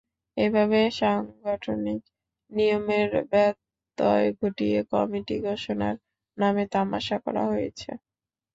এভাবে সাংগঠনিক নিয়মের ব্যত্যয় ঘটিয়ে কমিটি ঘোষণার নামে তামাশা করা হয়েছে।